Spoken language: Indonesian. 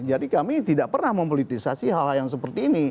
jadi kami tidak pernah mempolitisasi hal hal yang seperti ini